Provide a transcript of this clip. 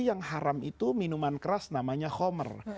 yang haram itu minuman keras namanya khomer